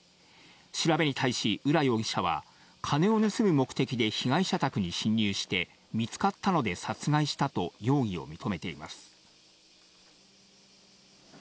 調べに対し、浦容疑者は、金を盗む目的で被害者宅に侵入して、見つかったので殺害したと容疑を認めています。